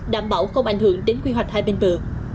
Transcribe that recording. đảm bảo không ảnh hưởng đến quy hoạch hai bên bờ